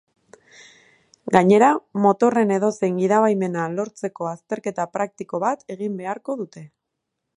Gainera, motorren edozein gidabaimena lortzeko azterketa praktiko bat egin beharko dute.